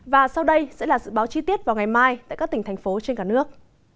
và sau đây sẽ là dự báo chi tiết vào ngày mai tại các tỉnh thành phố trên cả nước